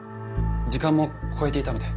時間も超えていたので。